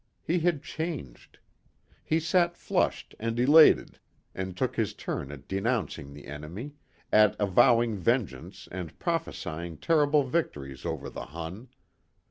He had changed. He sat flushed and elated and took his turn at denouncing the enemy, at avowing vengeance and prophesying terrible victories over the Hun.